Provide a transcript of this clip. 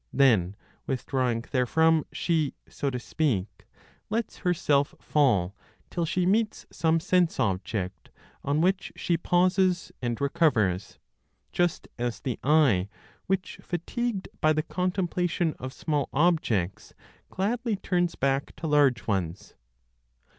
Then, withdrawing therefrom, she, so to speak, lets herself fall till she meets some sense object, on which she pauses, and recovers; just as the eye which, fatigued by the contemplation of small objects, gladly turns back to large ones.